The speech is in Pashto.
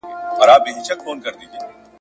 ورو په ورو یې ور په زړه زړې نغمې کړې ..